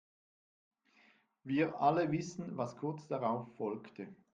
Wir alle wissen, was kurz darauf folgte.